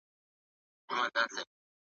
په وخت عمل کول د بریا راز دی.